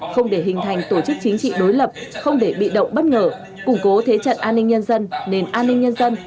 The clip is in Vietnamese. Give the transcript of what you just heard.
không để hình thành tổ chức chính trị đối lập không để bị động bất ngờ củng cố thế trận an ninh nhân dân nền an ninh nhân dân